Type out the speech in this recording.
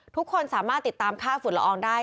ทุกคนสามารถติดตามค่าฝุ่นละอองได้